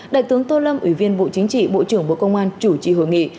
đại tướng tô lâm ủy viên bộ chính trị bộ trưởng bộ công an chủ trì hội nghị